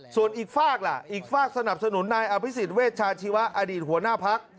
ส่วนอีกฝากล่ะอีกฝากสนับสนุนนายอภิษฎเวชาชีวะอดีตหัวหน้าพัก